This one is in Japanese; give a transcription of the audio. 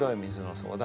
そうだね。